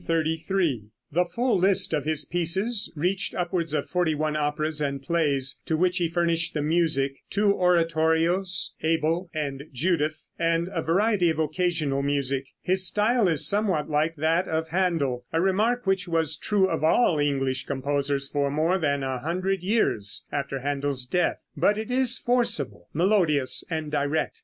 The full list of his pieces reached upwards of forty one operas and plays to which he furnished the music, two oratorios, "Abel" and "Judith," and a variety of occasional music. His style is somewhat like that of Händel, a remark which was true of all English composers for more than a hundred years after Händel's death; but it is forcible, melodious and direct.